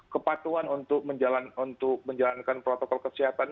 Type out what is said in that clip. kepatuhan untuk menjalankan protokol kesehatan